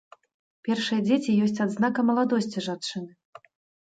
Першыя дзеці ёсць адзнака маладосці жанчыны.